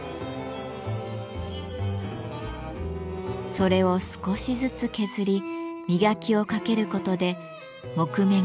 それを少しずつ削り磨きをかけることで木目がさらに際立ちます。